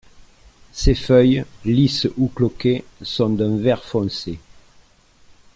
Ses feuilles, lisses ou cloquées, sont d'un vert foncé.